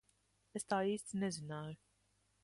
Es tā īsti nezināju.